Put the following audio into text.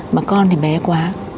mà con thì bé quá